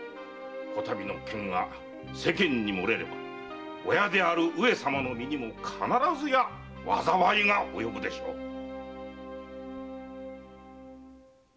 こたびの件が世間にもれれば親である上様の身にも必ずや災いが及ぶでしょう。